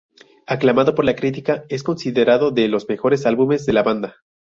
Aclamado por la crítica, es considerado de los mejores álbumes de la banda.